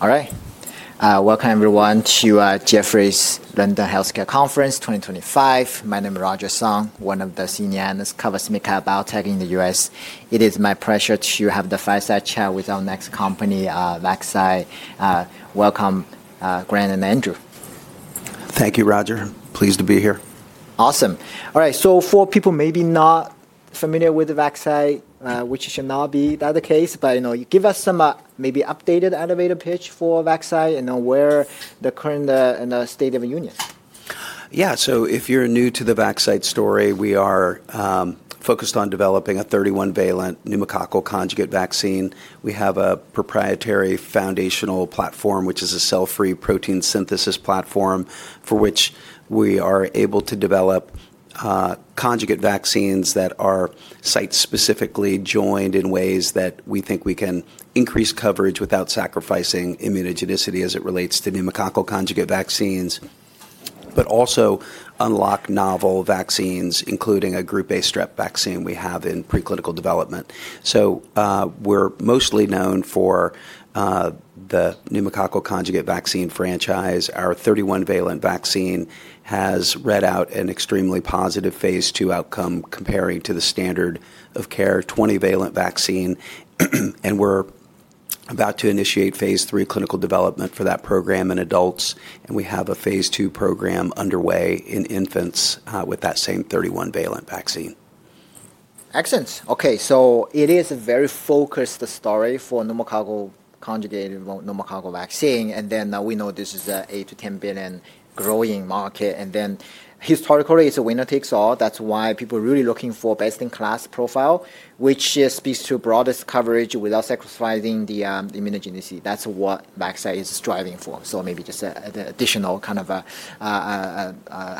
All right. Welcome, everyone, to Jeffrey's London Healthcare Conference 2025. My name is Roger Song, one of the senior analysts covering medical biotech in the U.S. It is my pleasure to have the fireside chat with our next company, Vaxcyte. Welcome, Grant and Andrew. Thank you, Roger. Pleased to be here. Awesome. All right. For people maybe not familiar with Vaxcyte, which should not be the case, but give us some maybe updated elevator pitch for Vaxcyte and where the current state of the union is. Yeah. If you're new to the Vaxcyte story, we are focused on developing a 31-Valent Pneumococcal Conjugate Vaccine. We have a proprietary foundational platform, which is a Cell-Free Protein Synthesis platform for which we are able to develop conjugate vaccines that are site-specifically joined in ways that we think we can increase coverage without sacrificing immunogenicity as it relates to pneumococcal conjugate vaccines, but also unlock novel vaccines, including a Group A Strep Vaccine we have in preclinical development. We're mostly known for the Pneumococcal Conjugate Vaccine franchise. Our 31-Valent vaccine has read out an extremely positive phase II outcome comparing to the standard of care 20-Valent vaccine. We're about to initiate phase III clinical development for that program in adults. We have a phase II program underway in infants with that same 31-Valent vaccine. Excellent. Okay. It is a very focused story for Pneumococcal Conjugate Pneumococcal Vaccine. We know this is an $8 billion-$10 billion growing market. Historically, it is a winner takes all. That is why people are really looking for best-in-class profile, which speaks to broadest coverage without sacrificing the immunogenicity. That is what Vaxcyte is striving for. Maybe just an additional kind of a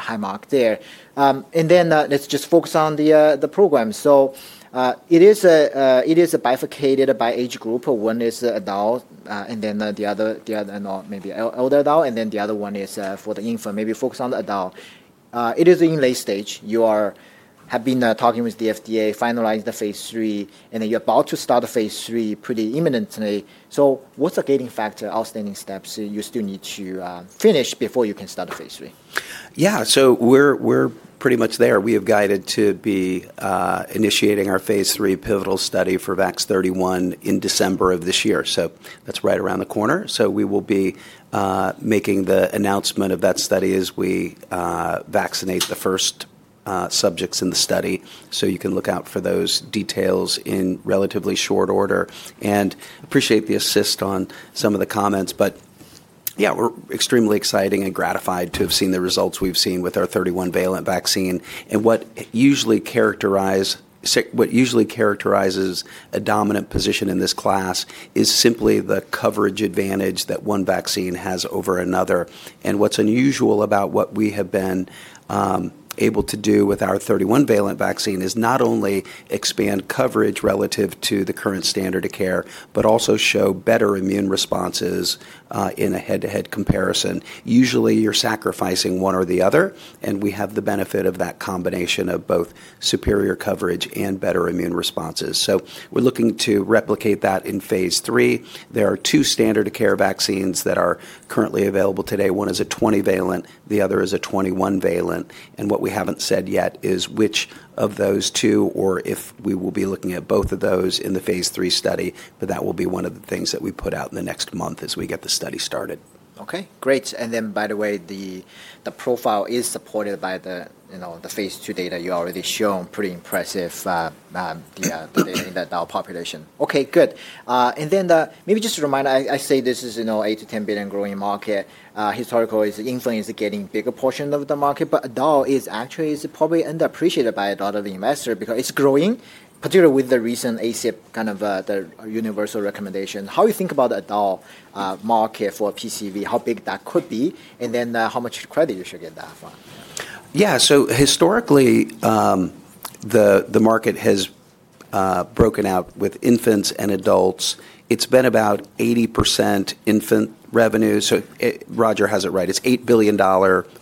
high mark there. Let us just focus on the program. It is bifurcated by age group. One is adult, and then the other maybe elder adult, and then the other one is for the infant. Maybe focus on the adult. It is in late stage. You have been talking with the FDA, finalized the phase III, and you are about to start the phase III pretty imminently. What's the gating factor, outstanding steps you still need to finish before you can start the phase III? Yeah. We are pretty much there. We have guided to be initiating our phase III pivotal study for VAX-31 in December of this year. That is right around the corner. We will be making the announcement of that study as we vaccinate the first subjects in the study. You can look out for those details in relatively short order. I appreciate the assist on some of the comments. We are extremely excited and gratified to have seen the results we have seen with our 31-Valent vaccine. What usually characterizes a dominant position in this class is simply the coverage advantage that one vaccine has over another. What is unusual about what we have been able to do with our 31-Valent vaccine is not only expand coverage relative to the current standard of care, but also show better immune responses in a head-to-head comparison. Usually, you're sacrificing one or the other, and we have the benefit of that combination of both superior coverage and better immune responses. We are looking to replicate that in phase III. There are two standard of care vaccines that are currently available today. One is a 20-Valent. The other is a 21-Valent. What we have not said yet is which of those two, or if we will be looking at both of those in the phase III study, but that will be one of the things that we put out in the next month as we get the study started. Okay. Great. By the way, the profile is supported by the phase II data you already show. Pretty impressive data in the adult population. Okay. Good. Maybe just a reminder, I say this is an $8 billion-$10 billion growing market. Historically, the influenza is getting a bigger portion of the market, but adult is actually probably underappreciated by a lot of investors because it's growing, particularly with the recent ACIP kind of the universal recommendation. How do you think about the adult market for PCV, how big that could be, and then how much credit you should get that for? Yeah. So historically, the market has broken out with infants and adults. It's been about 80% infant revenue. So Roger has it right. It's an $8 billion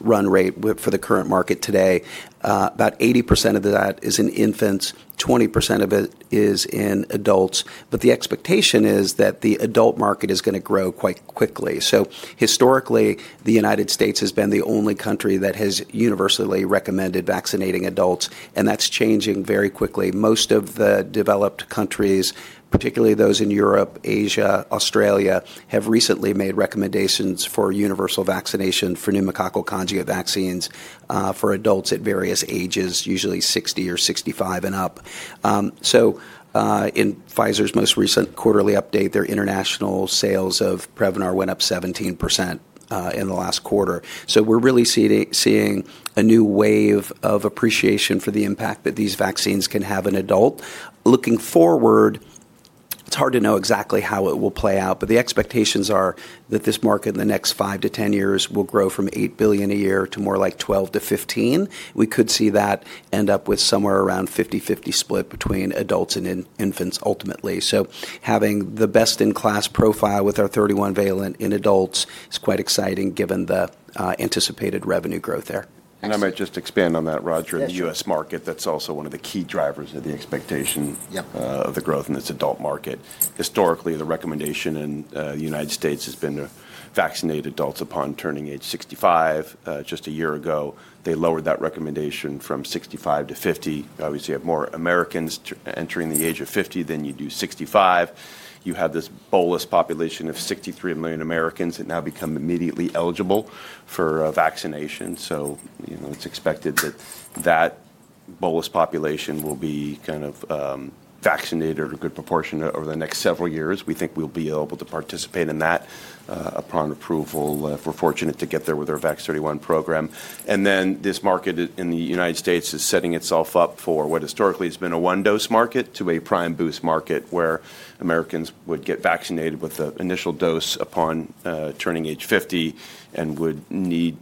run rate for the current market today. About 80% of that is in infants. 20% of it is in adults. The expectation is that the adult market is going to grow quite quickly. Historically, the U.S. has been the only country that has universally recommended vaccinating adults, and that's changing very quickly. Most of the developed countries, particularly those in Europe, Asia, Australia, have recently made recommendations for universal vaccination for pneumococcal conjugate vaccines for adults at various ages, usually 60 or 65 and up. In Pfizer's most recent quarterly update, their international sales of Prevnar went up 17% in the last quarter. We're really seeing a new wave of appreciation for the impact that these vaccines can have in adults. Looking forward, it's hard to know exactly how it will play out, but the expectations are that this market in the next five to ten years will grow from $8 billion a year to more like $12 billion-$15 billion. We could see that end up with somewhere around a 50/50 split between adults and infants ultimately. Having the best-in-class profile with our 31-Valent in adults is quite exciting given the anticipated revenue growth there. I might just expand on that, Roger. In the U.S. market, that's also one of the key drivers of the expectation of the growth in this adult market. Historically, the recommendation in the United States has been to vaccinate adults upon turning age 65. Just a year ago, they lowered that recommendation from 65-50. Obviously, you have more Americans entering the age of 50 than you do 65. You have this bolus population of 63 million Americans that now become immediately eligible for vaccination. It is expected that that bolus population will be kind of vaccinated or a good proportion over the next several years. We think we'll be able to participate in that upon approval. We're fortunate to get there with our VAX-31 program. This market in the United States is setting itself up for what historically has been a one-dose market to a prime boost market where Americans would get vaccinated with the initial dose upon turning age 50 and would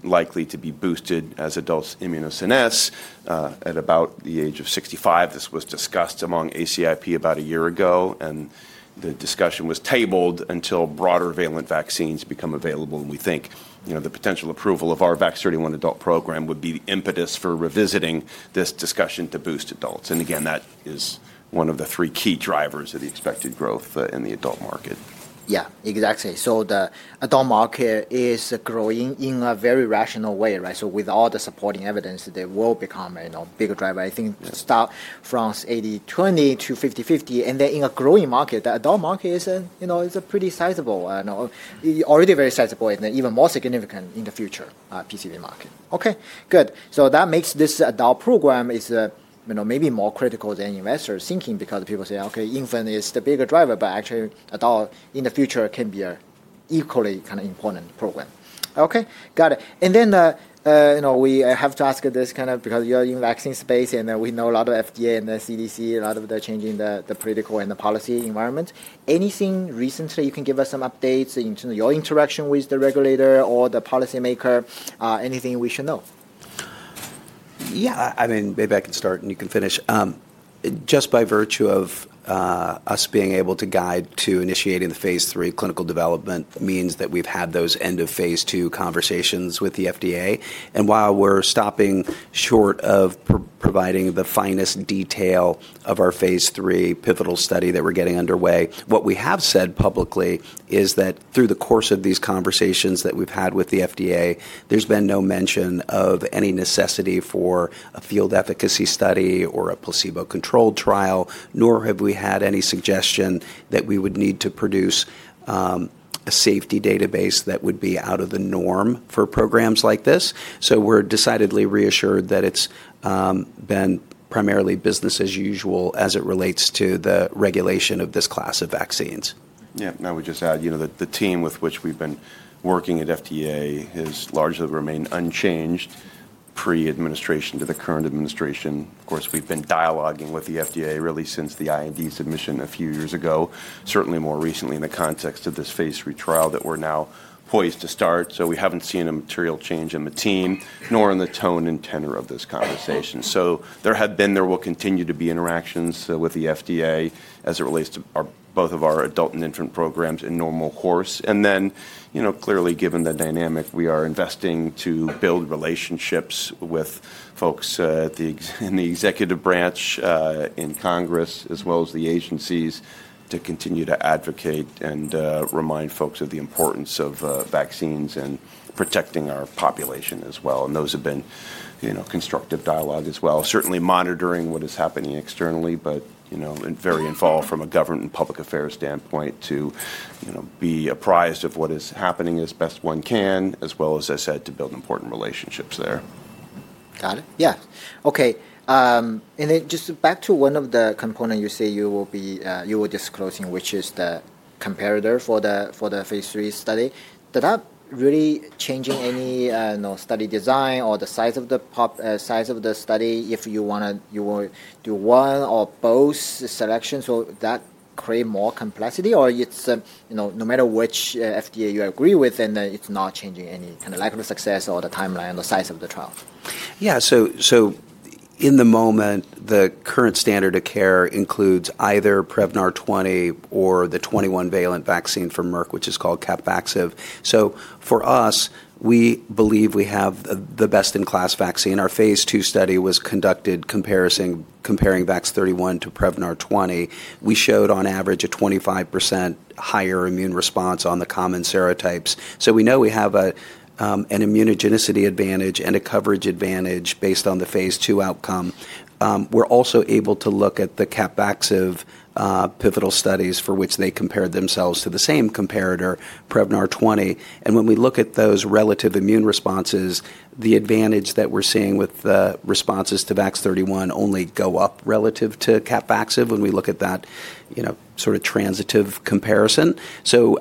likely to be boosted as adults immunosense. At about the age of 65, this was discussed among ACIP about a year ago, and the discussion was tabled until broader Valent vaccines become available. We think the potential approval of our VAX-31 adult program would be the impetus for revisiting this discussion to boost adults. That is one of the three key drivers of the expected growth in the adult market. Yeah, exactly. The adult market is growing in a very rational way, right? With all the supporting evidence, there will become a bigger driver. I think start from 80/20 to 50/50. In a growing market, the adult market is a pretty sizable, already very sizable, and even more significant in the future PCV market. Okay. Good. That makes this adult program maybe more critical than investors thinking because people say, "Okay, infant is the bigger driver," but actually adult in the future can be an equally kind of important program. Okay. Got it. We have to ask this kind of because you're in the vaccine space, and we know a lot of FDA and the CDC, a lot of the changing the political and the policy environment. Anything recently you can give us some updates in terms of your interaction with the regulator or the policymaker, anything we should know? Yeah. I mean, maybe I can start and you can finish. Just by virtue of us being able to guide to initiating the phase III clinical development means that we've had those end of phase II conversations with the FDA. While we're stopping short of providing the finest detail of our phase III pivotal study that we're getting underway, what we have said publicly is that through the course of these conversations that we've had with the FDA, there's been no mention of any necessity for a field efficacy study or a placebo-controlled trial, nor have we had any suggestion that we would need to produce a safety database that would be out of the norm for programs like this. We are decidedly reassured that it's been primarily business as usual as it relates to the regulation of this class of vaccines. Yeah. I would just add the team with which we've been working at FDA has largely remained unchanged pre-administration to the current administration. Of course, we've been dialoguing with the FDA really since the IND submission a few years ago, certainly more recently in the context of this phase III trial that we're now poised to start. We haven't seen a material change in the team, nor in the tone and tenor of this conversation. There have been, there will continue to be interactions with the FDA as it relates to both of our adult and infant programs in normal course. Clearly, given the dynamic, we are investing to build relationships with folks in the executive branch in Congress, as well as the agencies, to continue to advocate and remind folks of the importance of vaccines and protecting our population as well. Those have been constructive dialogue as well. Certainly monitoring what is happening externally, but very involved from a government and public affairs standpoint to be apprised of what is happening as best one can, as well as, as I said, to build important relationships there. Got it. Yeah. Okay. Just back to one of the components you say you will be disclosing, which is the comparator for the phase III study. Did that really change any study design or the size of the study if you want to do one or both selections? Will that create more complexity? Or no matter which FDA you agree with, then it's not changing any kind of lack of success or the timeline or the size of the trial? Yeah. In the moment, the current standard of care includes either Prevnar 20 or the 21-Valent Vaccine from Merck, which is called CAPVAXIVE. For us, we believe we have the best-in-class vaccine. Our phase II study was conducted comparing VAX-31 to Prevnar 20. We showed on average a 25% higher immune response on the common serotypes. We know we have an immunogenicity advantage and a coverage advantage based on the phase II outcome. We're also able to look at the CAPVAXIVE pivotal studies for which they compared themselves to the same comparator, Prevnar 20. When we look at those relative immune responses, the advantage that we're seeing with the responses to VAX-31 only go up relative to CAPVAXIVE when we look at that sort of transitive comparison.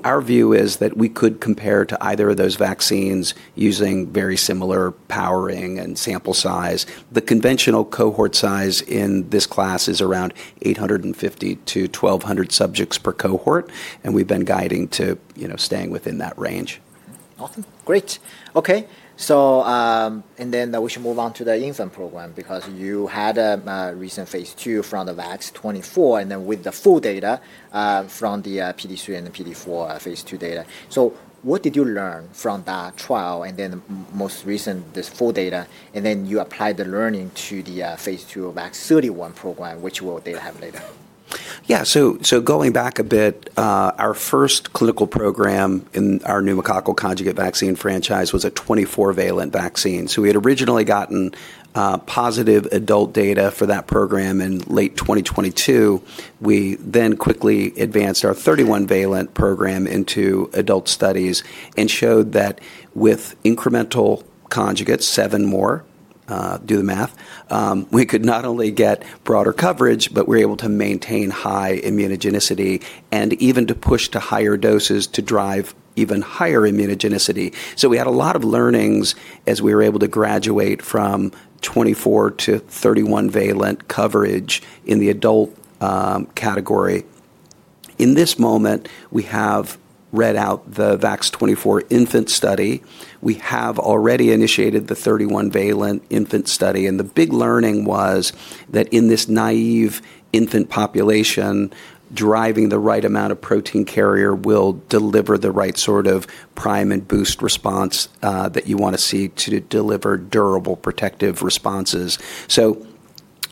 Our view is that we could compare to either of those vaccines using very similar powering and sample size. The conventional cohort size in this class is around 850-1,200 subjects per cohort, and we've been guiding to staying within that range. Awesome. Great. Okay. We should move on to the infant program because you had a recent phase II from the VAX-24 and then with the full data from the PD3 and the PD4 phase II data. What did you learn from that trial and then most recent this full data, and then you applied the learning to the phase II VAX-31 program, which we'll have later. Yeah. Going back a bit, our first clinical program in our Pneumococcal Conjugate Vaccine franchise was a 24-Valent vaccine. We had originally gotten positive adult data for that program in late 2022. We then quickly advanced our 31-Valent program into adult studies and showed that with incremental conjugates, seven more, do the math, we could not only get broader coverage, but we were able to maintain high immunogenicity and even to push to higher doses to drive even higher immunogenicity. We had a lot of learnings as we were able to graduate from 24 to 31-Valent coverage in the adult category. In this moment, we have read out the VAX-24 infant study. We have already initiated the 31-Valent infant study. The big learning was that in this naive infant population, driving the right amount of protein carrier will deliver the right sort of prime and boost response that you want to see to deliver durable protective responses.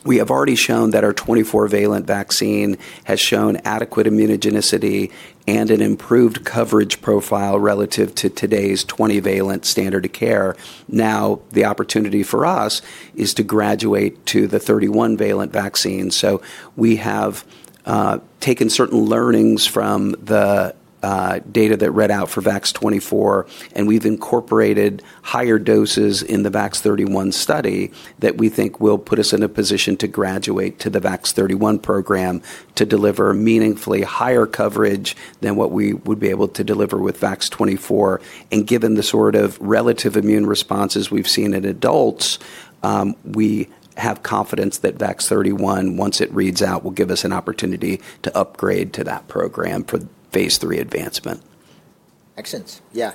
We have already shown that our 24-Valent vaccine has shown adequate immunogenicity and an improved coverage profile relative to today's 20-Valent standard of care. Now, the opportunity for us is to graduate to the 31-Valent vaccine. We have taken certain learnings from the data that read out for VAX-24, and we've incorporated higher doses in the VAX-31 study that we think will put us in a position to graduate to the VAX-31 program to deliver meaningfully higher coverage than what we would be able to deliver with VAX-24. Given the sort of relative immune responses we've seen in adults, we have confidence that VAX-31, once it reads out, will give us an opportunity to upgrade to that program for phase three advancement. Excellent. Yeah.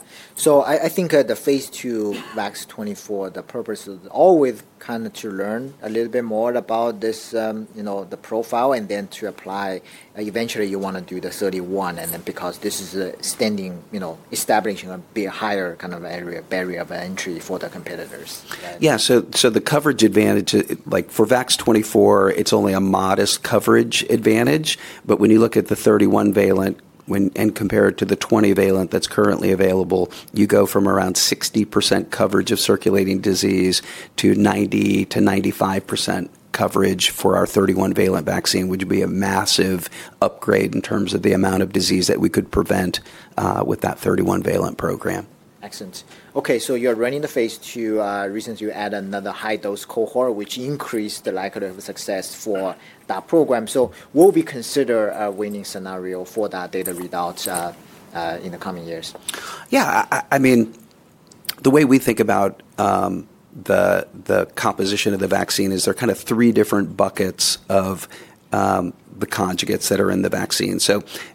I think the phase II VAX-24, the purpose is always kind of to learn a little bit more about the profile and then to apply. Eventually, you want to do the 31 and then because this is establishing a bit higher kind of barrier of entry for the competitors. Yeah. The coverage advantage for VAX-24, it's only a modest coverage advantage. When you look at the 31-Valent and compare it to the 20-Valent that's currently available, you go from around 60% coverage of circulating disease to 90%-95% coverage for our 31-Valent vaccine, which would be a massive upgrade in terms of the amount of disease that we could prevent with that 31-Valent program. Excellent. Okay. You're running the phase II recently to add another high-dose cohort, which increased the likelihood of success for that program. What would we consider a winning scenario for that data result in the coming years? Yeah. I mean, the way we think about the composition of the vaccine is there are kind of three different buckets of the conjugates that are in the vaccine.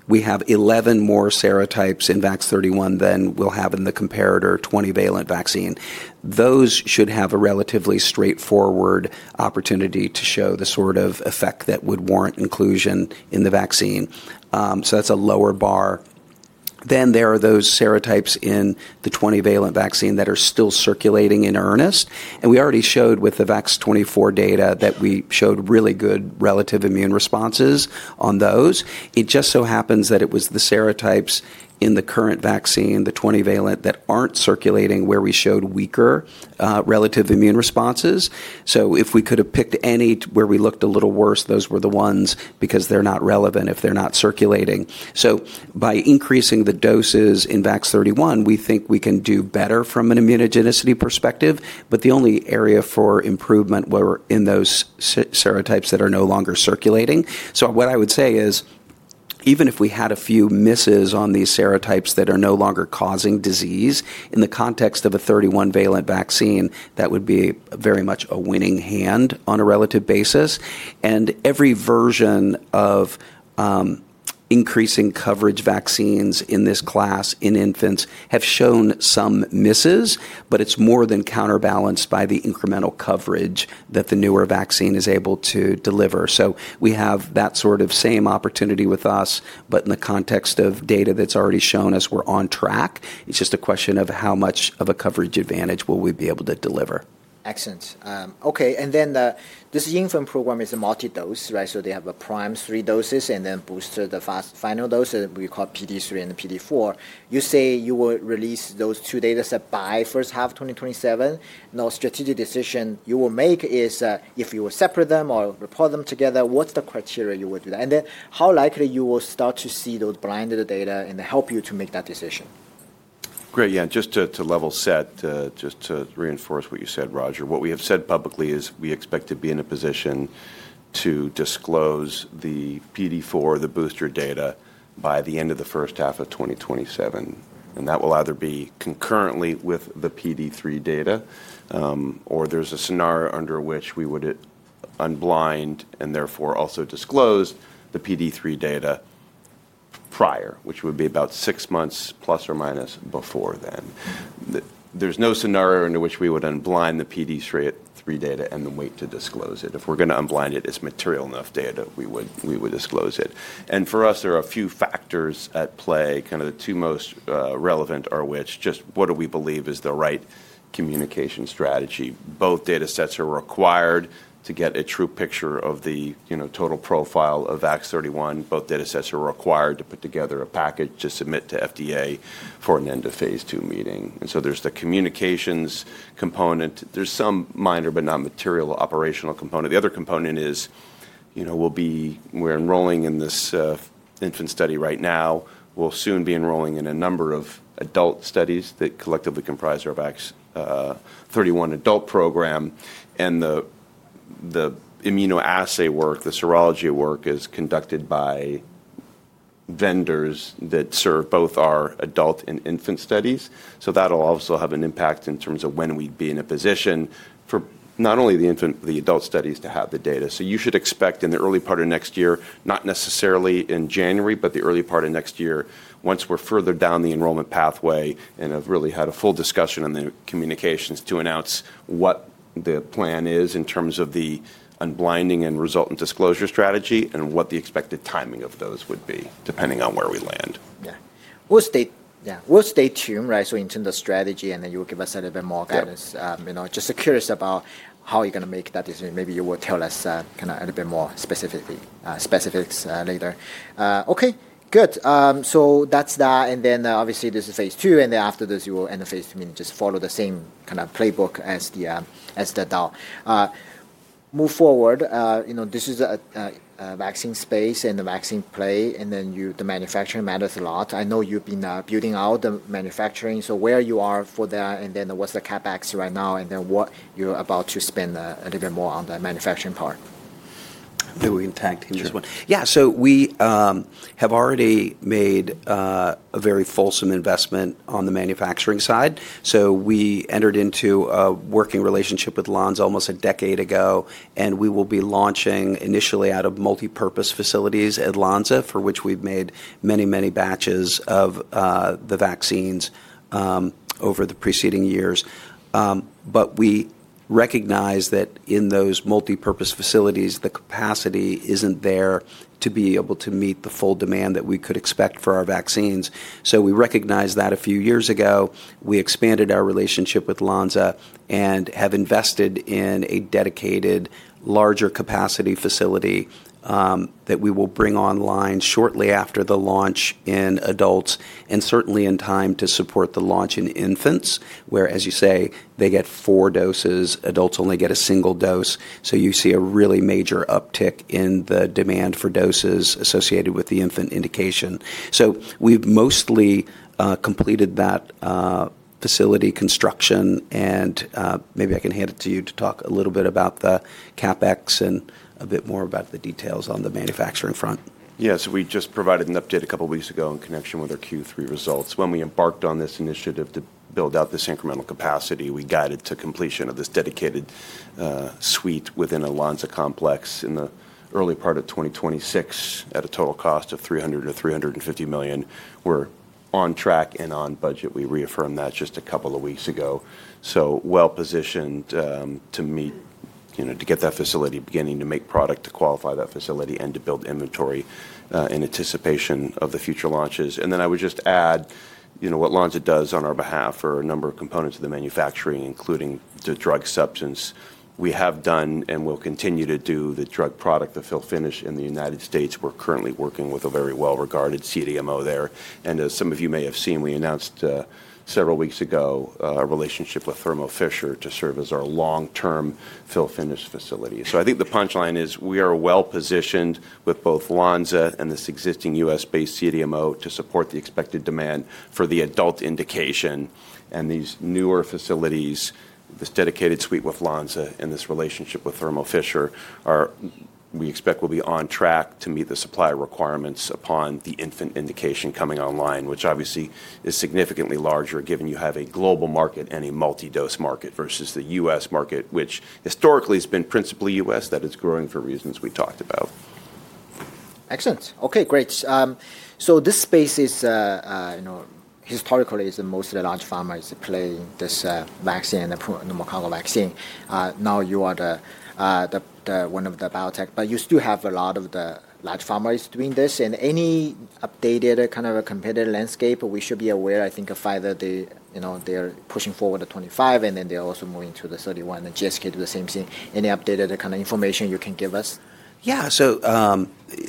We have 11 more serotypes in VAX-31 than we'll have in the comparator 20-Valent vaccine. Those should have a relatively straightforward opportunity to show the sort of effect that would warrant inclusion in the vaccine. That's a lower bar. There are those serotypes in the 20-Valent vaccine that are still circulating in earnest. We already showed with the VAX-24 data that we showed really good relative immune responses on those. It just so happens that it was the serotypes in the current vaccine, the 20-Valent, that aren't circulating where we showed weaker relative immune responses. If we could have picked anywhere we looked a little worse, those were the ones because they're not relevant if they're not circulating. By increasing the doses in VAX-31, we think we can do better from an immunogenicity perspective, but the only area for improvement were in those serotypes that are no longer circulating. What I would say is even if we had a few misses on these serotypes that are no longer causing disease in the context of a 31-Valent vaccine, that would be very much a winning hand on a relative basis. Every version of increasing coverage vaccines in this class in infants have shown some misses, but it's more than counterbalanced by the incremental coverage that the newer vaccine is able to deliver. We have that sort of same opportunity with us, but in the context of data that's already shown us, we're on track. It's just a question of how much of a coverage advantage will we be able to deliver. Excellent. Okay. This infant program is a multi-dose, right? They have a prime, three doses, and then booster, the final dose that we call PD3 and PD4. You say you will release those two data sets by first half of 2027. A strategic decision you will make is if you will separate them or report them together, what's the criteria you will do that? How likely you will start to see those blinded data and help you to make that decision? Great. Yeah. Just to level set, just to reinforce what you said, Roger, what we have said publicly is we expect to be in a position to disclose the PD4, the booster data by the end of the first half of 2027. That will either be concurrently with the PD3 data or there is a scenario under which we would unblind and therefore also disclose the PD3 data prior, which would be about six months plus or minus before then. There is no scenario under which we would unblind the PD3 data and then wait to disclose it. If we are going to unblind it, it is material enough data we would disclose it. For us, there are a few factors at play. Kind of the two most relevant are which just what do we believe is the right communication strategy. Both data sets are required to get a true picture of the total profile of VAX-31. Both data sets are required to put together a package to submit to FDA for an end of phase II meeting. There is the communications component. There is some minor but not material operational component. The other component is we are enrolling in this infant study right now. We will soon be enrolling in a number of adult studies that collectively comprise our VAX-31 adult program. The immunoassay work, the serology work, is conducted by vendors that serve both our adult and infant studies. That will also have an impact in terms of when we would be in a position for not only the adult studies to have the data. You should expect in the early part of next year, not necessarily in January, but the early part of next year, once we're further down the enrollment pathway and have really had a full discussion on the communications to announce what the plan is in terms of the unblinding and resultant disclosure strategy and what the expected timing of those would be depending on where we land. Yeah. We'll stay tuned, right? In terms of strategy, and then you will give us a little bit more guidance. Just curious about how you're going to make that decision. Maybe you will tell us kind of a little bit more specifics later. Okay. Good. That's that. Obviously this is phase II. After this, you will end the phase II, meaning just follow the same kind of playbook as the adult. Move forward. This is a vaccine space and the vaccine play, and then the manufacturing matters a lot. I know you've been building out the manufacturing. Where you are for that, and then what's the CAPVAXIVE right now, and then what you're about to spend a little bit more on the manufacturing part. I'll do it intact in just one. Yeah. We have already made a very fulsome investment on the manufacturing side. We entered into a working relationship with Lonza almost a decade ago, and we will be launching initially out of multipurpose facilities at Lonza, for which we've made many, many batches of the vaccines over the preceding years. We recognize that in those multipurpose facilities, the capacity isn't there to be able to meet the full demand that we could expect for our vaccines. We recognized that a few years ago. We expanded our relationship with Lonza and have invested in a dedicated larger capacity facility that we will bring online shortly after the launch in adults and certainly in time to support the launch in infants, where, as you say, they get four doses. Adults only get a single dose. You see a really major uptick in the demand for doses associated with the infant indication. We've mostly completed that facility construction, and maybe I can hand it to you to talk a little bit about the CAPVAXIVE and a bit more about the details on the manufacturing front. Yeah. We just provided an update a couple of weeks ago in connection with our Q3 results. When we embarked on this initiative to build out this incremental capacity, we guided to completion of this dedicated suite within a Lonza complex in the early part of 2026 at a total cost of $300 million-$350 million. We're on track and on budget. We reaffirmed that just a couple of weeks ago. We are well positioned to get that facility beginning to make product, to qualify that facility, and to build inventory in anticipation of the future launches. I would just add what Lonza does on our behalf for a number of components of the manufacturing, including the drug substance. We have done and will continue to do the drug product, the fill finish in the United States. We're currently working with a very well-regarded CDMO there. As some of you may have seen, we announced several weeks ago our relationship with Thermo Fisher to serve as our long-term fill finish facility. I think the punchline is we are well positioned with both Lonza and this existing U.S.-based CDMO to support the expected demand for the adult indication. These newer facilities, this dedicated suite with Lonza and this relationship with Thermo Fisher, we expect will be on track to meet the supply requirements upon the infant indication coming online, which obviously is significantly larger given you have a global market and a multi-dose market versus the U.S. market, which historically has been principally U.S. that is growing for reasons we talked about. Excellent. Okay. Great. This space historically is mostly large pharma playing this vaccine and the monoclonal vaccine. Now you are one of the biotech, but you still have a lot of the large pharma is doing this. Any updated kind of competitive landscape we should be aware, I think, of either they're pushing forward to 25 and then they're also moving to the 31 and GSK do the same thing. Any updated kind of information you can give us? Yeah.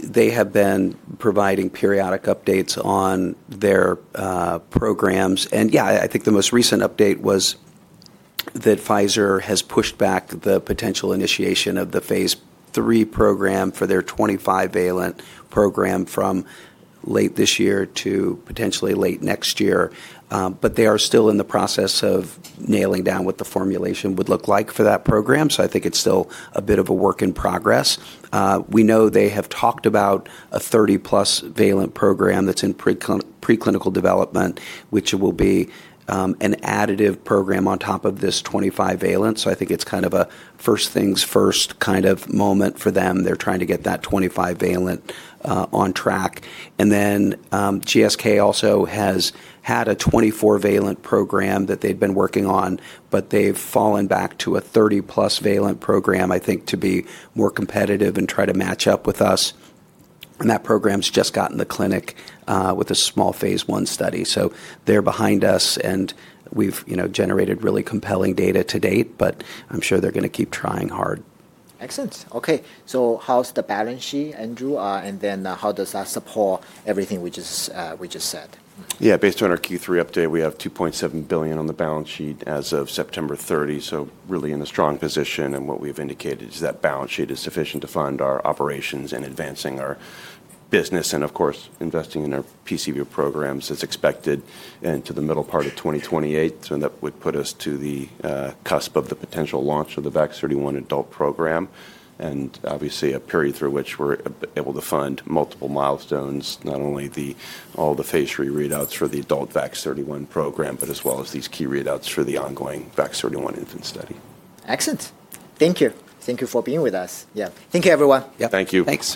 They have been providing periodic updates on their programs. Yeah, I think the most recent update was that Pfizer has pushed back the potential initiation of the phase III program for their 25-Valent program from late this year to potentially late next year. They are still in the process of nailing down what the formulation would look like for that program. I think it is still a bit of a work in progress. We know they have talked about a 30-plus valent program that is in preclinical development, which will be an additive program on top of this 25-Valent. I think it is kind of a first things first kind of moment for them. They are trying to get that 25-Valent on track. GSK also has had a 24-Valent program that they've been working on, but they've fallen back to a 30-plus valent program, I think, to be more competitive and try to match up with us. That program's just gotten the clinic with a small phase one study. They're behind us and we've generated really compelling data to date, but I'm sure they're going to keep trying hard. Excellent. Okay. How's the balance sheet, Andrew? Then how does that support everything we just said? Yeah. Based on our Q3 update, we have $2.7 billion on the balance sheet as of September 30. Really in a strong position, and what we've indicated is that balance sheet is sufficient to fund our operations and advancing our business and, of course, investing in our PCV programs as expected into the middle part of 2028. That would put us to the cusp of the potential launch of the VAX-31 adult program. Obviously a period through which we're able to fund multiple milestones, not only all the phase 3 readouts for the adult VAX-31 program, but as well as these key readouts for the ongoing VAX-31 infant study. Excellent. Thank you. Thank you for being with us. Thank you, everyone. Thank you. Thanks.